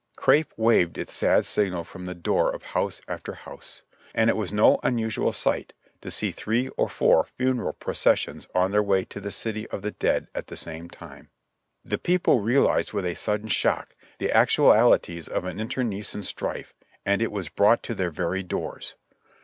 Crape waved its sad signal from the door of house after house ; and it was no unusual sight to see three or four funeral processions on their way to the city of the dead at the same time. The people realized with a sudden shock the actualities of an internecine strife and it was brought to their very doors.